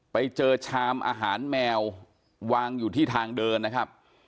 ไปเจอชามอาหารแมววางอยู่ที่ทางเดินนะครับ